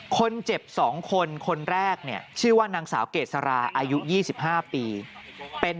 คนเจ็บ๒คนคนแรกเนี่ยชื่อว่านางสาวเกษราอายุ๒๕ปีเป็น